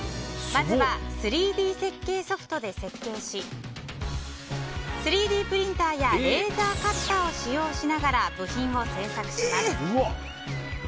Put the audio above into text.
まずは３Ｄ設計ソフトで設計し３Ｄプリンターやレーザーカッターを使用しながら部品を制作します。